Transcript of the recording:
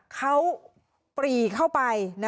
เขาปรีเข้าไป